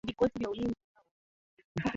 mnarudi kwenye kufanya kazi Kupigania maslahi ya